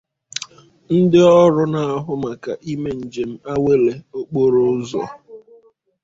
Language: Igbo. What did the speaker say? ' ndị ọrụ na-ahụ maka ime njem awele okporo ụzọ